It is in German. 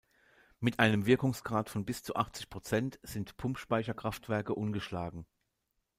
Mit einem Wirkungsgrad von bis zu achtzig Prozent sind Pumpspeicherkraftwerke ungeschlagen.